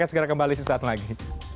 akan segera kembali sesaat lagi